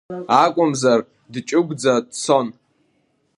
Акәымзар дҷыгәӡа дцон.